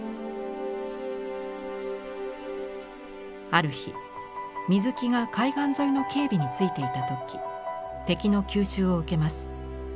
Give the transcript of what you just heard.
ある日水木が海岸沿いの警備についていた時敵の急襲を受けます。